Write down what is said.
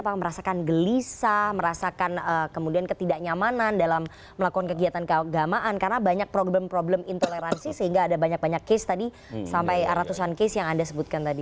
apakah gelisah merasakan kemudian ketidaknyamanan dalam melakukan kegiatan keagamaan karena banyak problem problem intoleransi sehingga ada banyak banyak case tadi sampai ratusan case yang anda sebutkan tadi